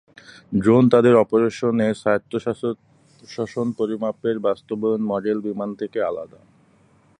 Drone তাদের অপারেশনে স্বায়ত্তশাসন পরিমাপের বাস্তবায়ন মডেল বিমান থেকে আলাদা।